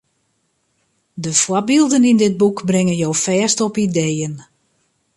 De foarbylden yn dit boek bringe jo fêst op ideeën.